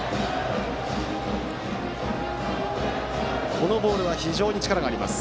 このボールは非常に力があります。